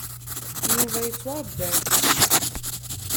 Yuba yettwaṛebba-d.